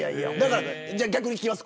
逆に聞きます。